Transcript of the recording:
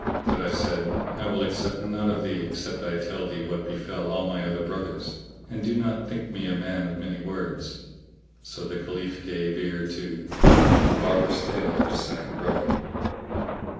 But I said, "I will accept naught of thee except I tell thee what befell all my other brothers; and do not think me a man of many words." So the Caliph gave ear to The Barber's Tale of his Second Brother.